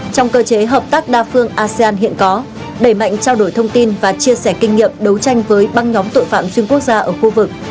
trong cơ chế hợp tác đa phương asean hiện có đẩy mạnh trao đổi thông tin và chia sẻ kinh nghiệm đấu tranh với băng nhóm tội phạm xuyên quốc gia ở khu vực